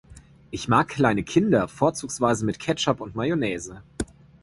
Ich mag kleine Kinder, vorzugsweise mit Ketchup und Mayonnaise.